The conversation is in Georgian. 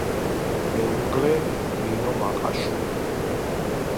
მეუღლე: ნინო მაყაშვილი.